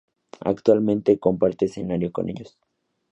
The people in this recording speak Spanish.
Actualmente, comparte escenario con ellos.